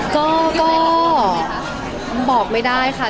ก็บอกไม่ได้ค่ะ